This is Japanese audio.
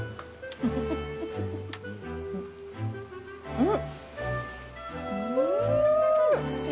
うん！